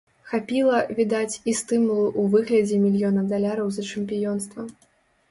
Хапіла, відаць, і стымулу ў выглядзе мільёна даляраў за чэмпіёнства.